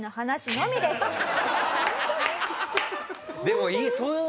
でもいい。